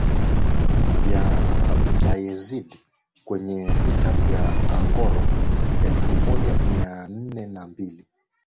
vya Bayezid kwenye Vita vya Angora elfumoja mianne na mbili